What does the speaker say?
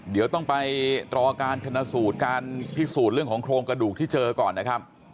เดี๋ยวต้องไปรอการชนะสูตรการพิสูจน์เรื่องของโครงกระดูกที่เจอก่อนนะครับ